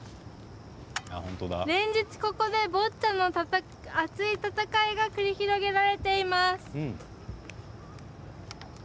連日、ここでボッチャの熱い戦いが繰り広げられています。